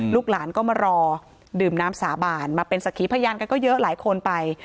ลูกหลานก็มารอดื่มน้ำสาบานมาเป็นสักขีพยานกันก็เยอะหลายคนไป